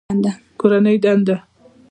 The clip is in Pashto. کورنۍ دنده